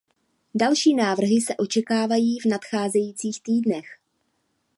Další návrhy se očekávají v nadcházejících týdnech.